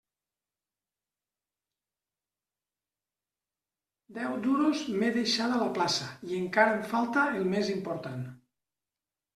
Deu duros m'he deixat a la plaça, i encara em falta el més important.